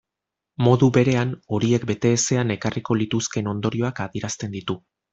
Modu berean, horiek bete ezean ekarriko lituzkeen ondorioak adierazten ditu.